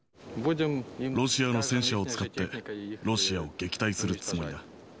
ロシアの戦車を使って、ロシアを撃退するつもりだ。